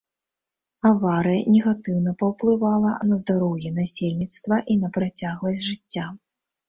Аварыя негатыўна паўплывала на здароўе насельніцтва і на працягласць жыцця.